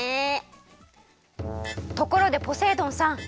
ところでポセイ丼さん。